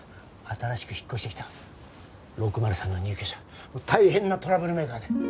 新しく引っ越してきた６０３の入居者大変なトラブルメーカーで。